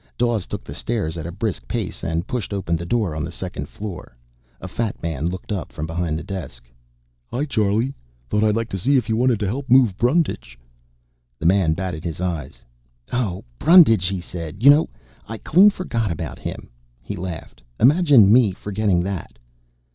Dawes took the stairs at a brisk pace, and pushed open the door on the second floor. A fat man looked up from behind a desk. "Hi, Charlie. Thought I'd see if you wanted to help move Brundage." The man batted his eyes. "Oh, Brundage!" he said. "You know, I clean forgot about him?" He laughed. "Imagine me forgetting that?"